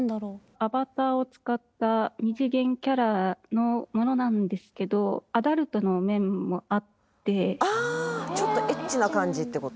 アバターを使った２次元キャラのものなんですけどあちょっとエッチな感じってこと？